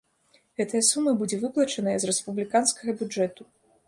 Гэтая сума будзе выплачаная з рэспубліканскага бюджэту.